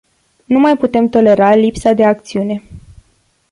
Nu mai putem tolera lipsa de acțiune.